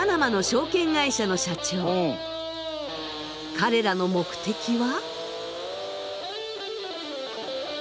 彼らの目的は？